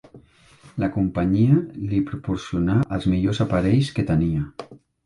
La companyia li proporcionà els millors aparells que tenia.